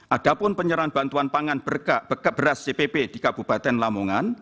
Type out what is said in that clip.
adapun penyerahan bantuan pangan beras cpp di kabupaten lamongan